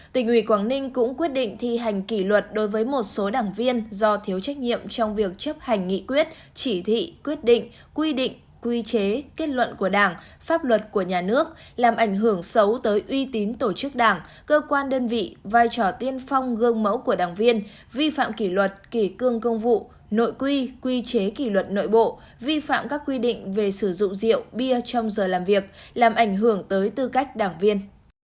tỉnh huy quảng ninh cũng quyết định thi hành kỷ luật đối với một số đảng viên do thiếu trách nhiệm trong việc chấp hành nghị quyết chỉ thị quyết định quy định quy chế kết luận của đảng pháp luật của nhà nước làm ảnh hưởng xấu tới uy tín tổ chức đảng cơ quan đơn vị vai trò tiên phong gương mẫu của đảng viên vi phạm kỷ luật kỷ cương công vụ nội quy quy chế kỷ luật nội bộ vi phạm các quy định về sử dụng rượu bia trong giờ làm việc làm ảnh hưởng tới tư cách đảng viên